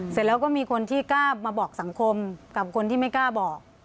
เสร็จแล้วก็มีคนที่กล้ามาบอกสังคมกับคนที่ไม่กล้าบอก